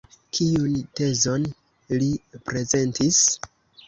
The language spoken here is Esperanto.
Kiun tezon li prezentis?